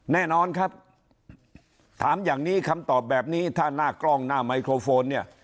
แน่นอนครับถามอย่างนี้คำตอบแบบนี้ถ้าหน้ากล้องหน้าไมโครโฟนเนี่ย